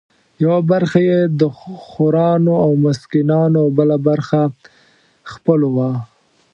یوه برخه یې د خورانو او مسکینانو او بله برخه د خپلو وه.